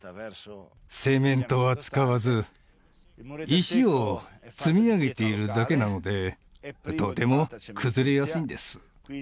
セメントは使わず石を積み上げているだけなのでとても崩れやすいんです